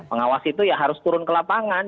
pengawas itu ya harus turun ke lapangan